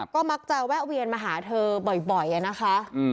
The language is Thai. ก็มักจะแวะเวียนมาหาเธอบ่อยนะคะ